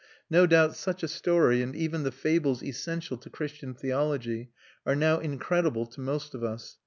No doubt such a story, and even the fables essential to Christian theology, are now incredible to most of us.